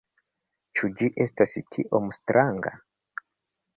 Ĉu ĝi estas tiom stranga?